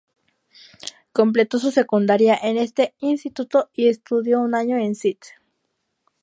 Completó su secundaria en este instituto y estudió un año en St.